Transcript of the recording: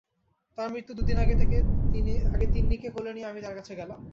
তার মৃত্যুর দু দিন আগে তিন্নিকে কোলে নিয়ে আমি তার কাছে গেলাম।